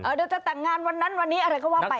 เดี๋ยวจะแต่งงานวันนั้นวันนี้อะไรก็ว่าไป